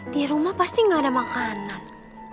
di rumah pasti gak ada makanan